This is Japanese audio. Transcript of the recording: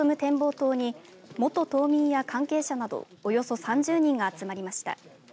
塔に元島民や関係者などおよそ３０人が集まりました。